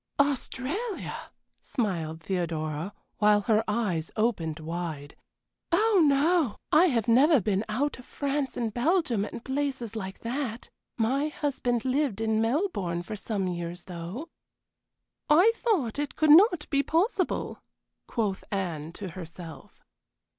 "Australia!" smiled Theodora, while her eyes opened wide. "Oh no! I have never been out of France and Belgium and places like that. My husband lived in Melbourne for some years, though." "I thought it could not be possible," quoth Anne to herself.